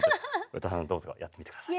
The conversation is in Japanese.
詩羽さんどうぞやってみてください。